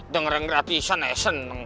denger yang gratisan ya seneng